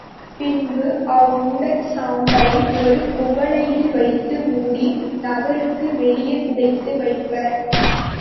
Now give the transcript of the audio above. பின்பு அவ்வுடற் சாம்பலை ஒரு குவளையில் வைத்து மூடி, நகர்க்கு வெளியே புதைத்து வைப்பர்.